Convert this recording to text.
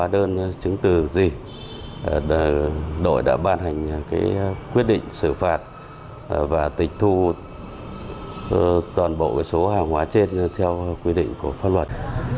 đội đã ban hành quyết định xử phạt và tịch thu toàn bộ số hàng hóa trên theo quy định của pháp luật